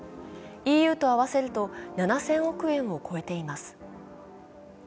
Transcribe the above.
ＥＵと合わせると７０００億円を超えています。